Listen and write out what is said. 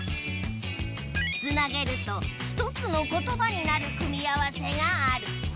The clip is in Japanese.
つなげると１つのことばになる組み合わせがある。